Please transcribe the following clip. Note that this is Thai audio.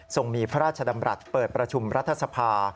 มีพระราชดำรัฐเปิดประชุมรัฐสภา